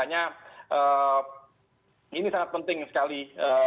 dan dari situ kita bisa melakukan hal hal yang lebih baik dan lebih baik